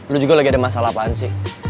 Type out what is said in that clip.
lu juga lagi ada masalah apaan sih